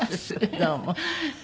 どうも。